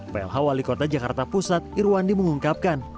plh wali kota jakarta pusat irwandi mengungkapkan